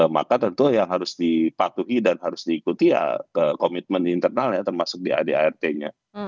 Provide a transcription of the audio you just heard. maka tentu yang harus dipatuhi dan harus diikuti ya ke komitmen internalnya termasuk di adart nya